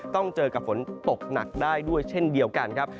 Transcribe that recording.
ต้องเจอกับฝนตกหนักได้ด้วยเช่นเดียวกันครับ